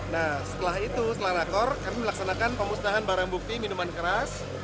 nah setelah itu setelah rakor kami melaksanakan pemusnahan barang bukti minuman keras